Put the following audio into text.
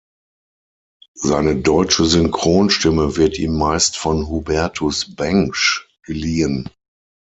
Seine deutsche Synchronstimme wird ihm meist von Hubertus Bengsch geliehen.